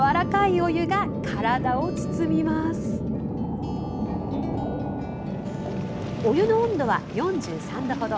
お湯の温度は、４３度ほど。